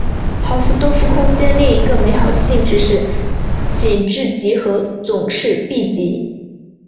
豪斯多夫空间另一个美好的性质是紧致集合总是闭集。